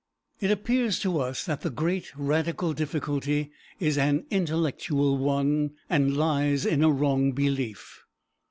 It appears to us that the great radical difficulty is an intellectual one, and lies in a wrong belief.